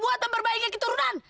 buat memperbaiki keturunan